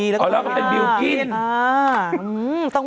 อ๋อแล้วเป็นบิวกิ้น